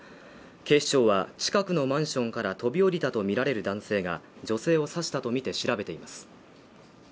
警視庁は近くのマンションから飛び降りたとみられる男性が女性を刺したとみて調べています。